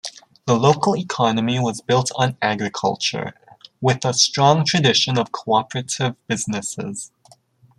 The local economy was built on agriculture, with a strong tradition of cooperative businesses.